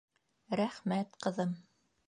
— Рәхмәт, ҡыҙым.